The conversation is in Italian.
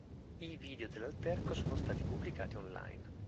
I video dell'alterco sono stati pubblicati online.